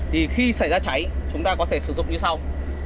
thì khi xảy ra cháy chúng ta có thể sử dụng như sau